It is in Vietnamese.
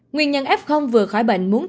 nguyên nhân f vừa khỏi bệnh muốn tiêm